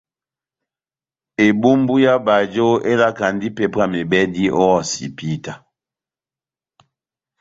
Ebumbu yá bajo elakandi ipépwa mebɛdi o hosipita.